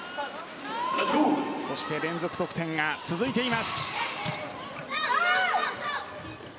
そして連続得点が続いています。